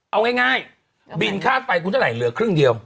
เอาง่ายบินค่าไฟคุณเท่าไหร่เหลือครึ่งเดียว